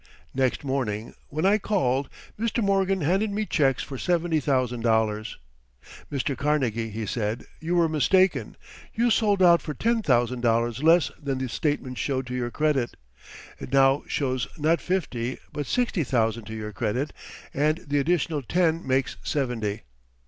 Next morning when I called Mr. Morgan handed me checks for seventy thousand dollars. "Mr. Carnegie," he said, "you were mistaken. You sold out for ten thousand dollars less than the statement showed to your credit. It now shows not fifty but sixty thousand to your credit, and the additional ten makes seventy."